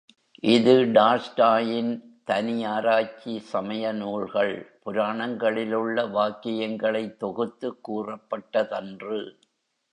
இது டால்ஸ்டாயின் தனி ஆராய்ச்சி சமய நூல்கள், புராணங்களிலுள்ள வாக்கியங்களைத் தொகுத்துக் கூறப்பட்டதன்று.